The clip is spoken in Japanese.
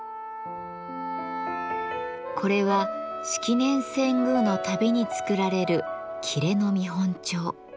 これは式年遷宮のたびに作られる裂の見本帳。